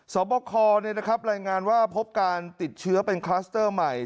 สมบัติคอร์เนี่ยนะครับรายงานว่าพบการติดเชื้อเป็นคลัสเตอร์ใหม่